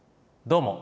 どうも。